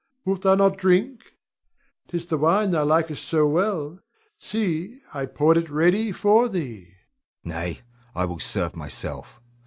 Wilt thou not drink? 'Tis the wine thou likest so well. See! I poured it ready for thee. Hugo. Nay; I will serve myself.